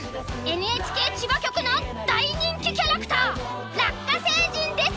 ＮＨＫ千葉局の大人気キャラクターラッカ星人です。